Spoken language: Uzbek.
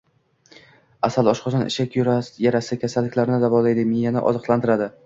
Asal oshqozon-ichak yarasi kasalliklarini davolaydi, miyani oziqlantiradi.